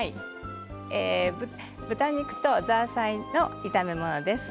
豚肉とザーサイの炒め物です。